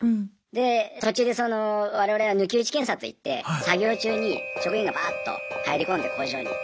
で途中で我々は抜き打ち検査といって作業中に職員がバーッと入り込んで工場に。